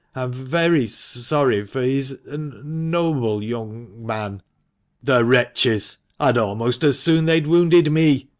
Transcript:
I'm v very s sorry, for he is a n noble y young man." "The wretches! I'd almost as soon they'd wounded me!